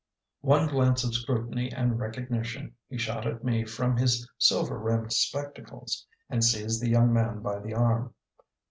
One glance of scrutiny and recognition he shot at me from his silver rimmed spectacles; and seized the young man by the arm.